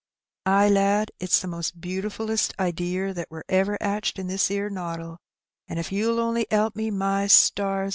"Ay, lad, it's the most butifullest idear that wur ever 'atched in this 'ere noddle; an' if you'll only 'elp me, my stars